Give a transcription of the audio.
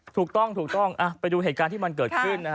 ถูกต้องไปดูเหตุการณ์ที่มันเกิดขึ้น